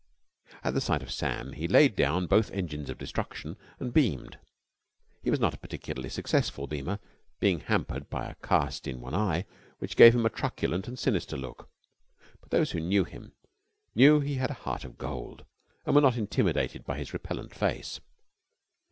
At the sight of Sam he laid down both engines of destruction and beamed. He was not a particularly successful beamer, being hampered by a cast in one eye which gave him a truculent and sinister look; but those who knew him knew that he had a heart of gold and were not intimidated by his repellent face.